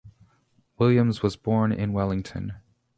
Williams was born in Wellington.